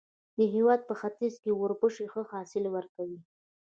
د هېواد په ختیځ کې اوربشې ښه حاصل ورکوي.